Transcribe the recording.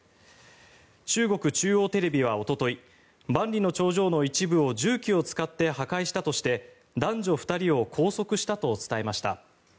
中国中央テレビはおととい万里の長城の一部を重機を使って破壊したとして男女２人を拘束したと伝えました。